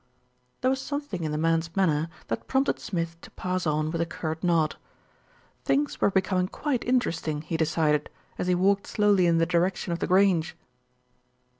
There was something in the man's manner that prompted Smith to pass on with a curt nod. Things were becoming quite interesting, he decided, as he walked slowly in the direction of The Grange.